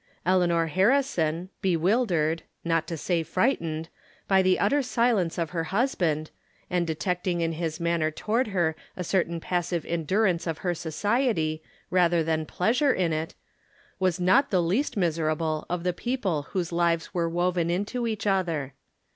Eleanor Harrison, bewildered — ^not to say frightened — ^by the utter sUence of her husband, and detecting in his manner toward her a certain passive endurance of her society, rather than pleasure in it, was not the least mis erable of the people whose lives were woven into, each other.